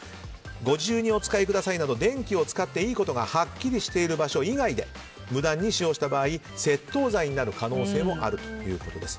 ご自由にお使いくださいなど電気を使っていいとはっきりしている場所以外で無断に使用した場合窃盗罪になる可能性もあるということです。